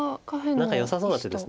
何かよさそうな手です